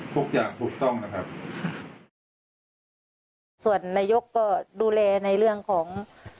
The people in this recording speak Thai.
ถูกต้องนะครับส่วนนายกก็ดูแลในเรื่องของ